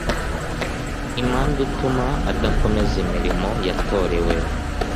impamvu ituma adakomeza imirimo yatorewe